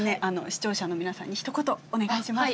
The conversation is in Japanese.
視聴者の皆さんにひと言お願いします。